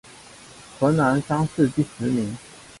河南乡试第十名。